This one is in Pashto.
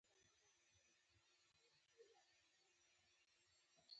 ځینې زاړي لغات یوازي په ادب او تاریخ کښي پاته کیږي.